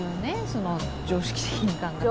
その常識的に考えて。